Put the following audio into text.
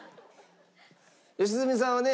良純さんはね